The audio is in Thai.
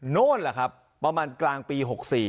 โน้นแหละครับประมาณกลางปี๖๔